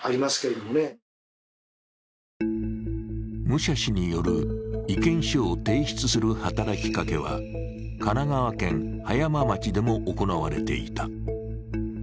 武者氏による意見書を提出する働きかけは、神奈川県葉山町でも行われていた。